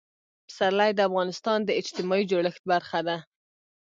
پسرلی د افغانستان د اجتماعي جوړښت برخه ده.